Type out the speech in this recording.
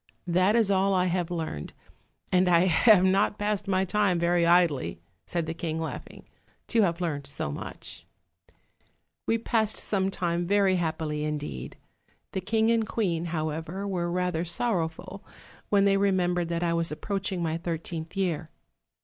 That is all that I have learned, and I have not passed my time very idly,' added the king, laughing, 'to have learned so much.' 304 OLD, OLD FAIRY TALES. tCl 'We passed some time very happily indeed. Thn king and queen, however, were rather sorrowful when they re membered that I was approaching my thirteenth year.